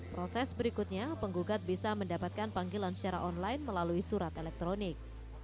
proses berikutnya penggugat bisa mendapatkan panggilan secara online melalui surat elektronik